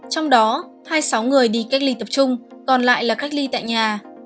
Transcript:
trong đó hai mươi sáu người đi cách ly tập trung còn lại là cách ly tại nhà